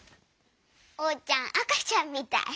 おうちゃんあかちゃんみたい。